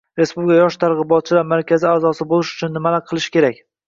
Respublika yosh targ‘ibotchilar markazi a’zosi bo‘lish uchun nima qilish kerak?